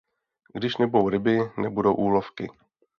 Když nebudou ryby, nebudou úlovky.